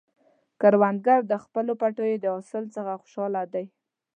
کروندګر د خپلو پټیو د حاصل څخه خوشحال دی